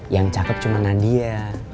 yang cakep cuma nadia